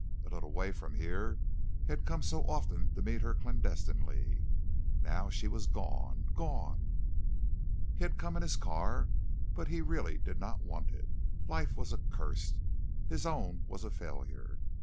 A little way from here he had come so often to meet her clandestinely. Now she was gone gone. He had come in his car, but he really did not want it. Life was accursed. His own was a failure.